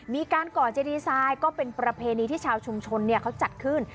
ก่อเจดีไซน์ก็เป็นประเพณีที่ชาวชุมชนเขาจัดขึ้น